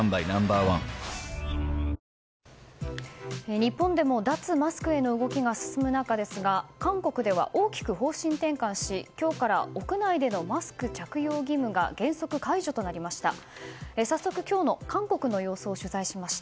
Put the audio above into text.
日本でも脱マスクへの動きが進む中ですが韓国では大きく方針転換し今日から屋内でのマスク着用義務が原則解除となりました。